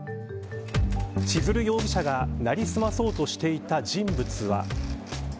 千鶴容疑者が成り済まそうとしていた人物は。